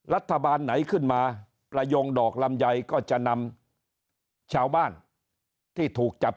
รัฐบาลไหนขึ้นมาประยงดอกลำไยก็จะนำชาวบ้านที่ถูกจับ